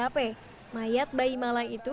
mayat bayi malang itu kembali di jalan raya